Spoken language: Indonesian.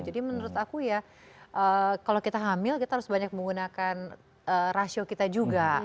jadi menurut aku ya kalau kita hamil kita harus banyak menggunakan rasio kita juga